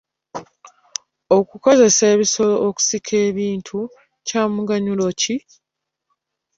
Okukozesa ebisolo okusika ebintu kya muganyulo ki?